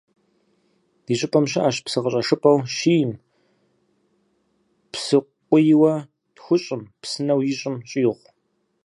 Ди щӀыпӀэм щыӀэщ псы къыщӀэшыпӀэу щиим, псыкъуийуэ тхущӀум, псынэу ищӀым щӀигъу.